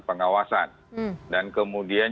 pengawasan dan kemudian